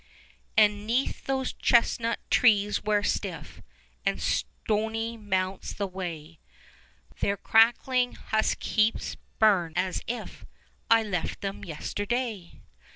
And 'neath those chestnut trees, where stiff And stony mounts the way, 10 Their crackling husk heaps burn, as if I left them yesterday.